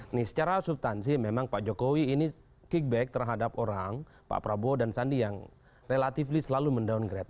ini secara subtansi memang pak jokowi ini kickback terhadap orang pak prabowo dan sandi yang relatif selalu mendowngrade